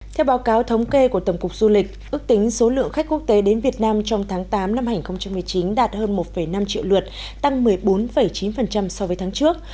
theo báo cáo thống kê của tổng cục du lịch ước tính số lượng khách quốc tế đến việt nam trong tháng tám năm hai nghìn một mươi chín đạt hơn một năm triệu lượt tăng một mươi bốn chín so với tháng trước